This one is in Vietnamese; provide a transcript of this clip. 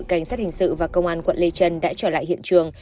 cảnh sát hình sự và công an quận lê trân đã trở lại hiện trường